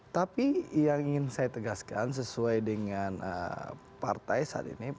tapi yang ingin saya tegaskan sesuai dengan partai saat ini